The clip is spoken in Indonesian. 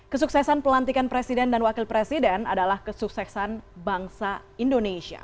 kesuksesan pelantikan presiden dan wakil presiden adalah kesuksesan bangsa indonesia